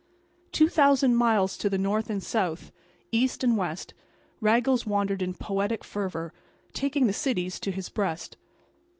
Two thousand miles to the north and south, east and west, Raggles wandered in poetic fervor, taking the cities to his breast.